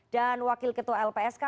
dan wakil ketua lpsk